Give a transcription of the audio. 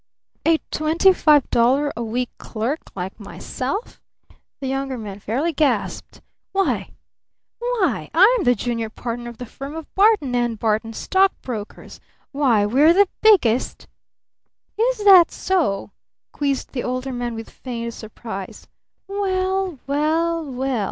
"'A twenty five dollar a week clerk like myself?'" the Younger Man fairly gasped. "Why why I'm the junior partner of the firm of Barton & Barton, stock brokers! Why, we're the biggest " "Is that so?" quizzed the Older Man with feigned surprise. "Well well well!